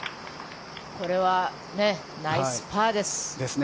これはナイスパーです。